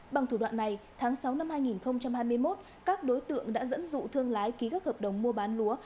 bằng thủ đoạn này tháng sáu năm hai nghìn hai mươi một các đối tượng đã dẫn dụ thương lái ký các hợp đồng mua bán lúa